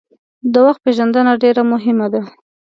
د وخت پېژندنه ډیره مهمه ده.